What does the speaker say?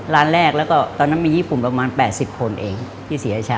ร้านแรกแล้วก็ตอนนั้นมีญี่ปุ่นประมาณ๘๐คนเองที่ศรีราชา